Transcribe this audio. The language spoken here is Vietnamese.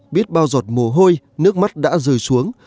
biết bao giọt mồ hôi nước mắt đã rơi xuống